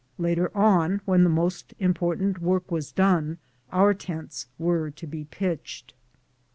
Later on, when the most important work was done, our tents were to be pitched.